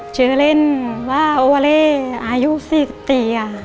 ชื่อเล่นว่าโอวาเล่อายุ๔๔ค่ะ